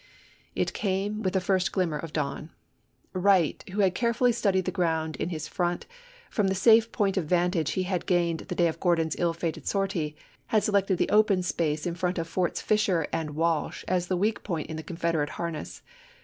It came with the first glimmer of dawn. Wright, who had carefully studied the ground in his front, from the safe point of vantage he had gained the day of Gordon's ill fated sortie, had selected the open space in front of Forts Fisher and Walsh as the weak point in the Confederate harness.